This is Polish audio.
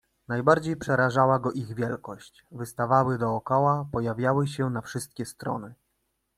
Najbardziej przerażała go ich wielkość. Wstawały dookoła, pojawiały się na wszystkie strony